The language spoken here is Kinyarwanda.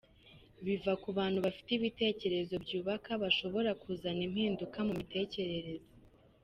Biva ku bantu bafite ibitekerezo byubaka bashobora kuzana impinduka mu mitekerereze.